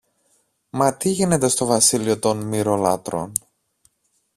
Μα τι γίνεται στο βασίλειο των Μοιρολάτρων;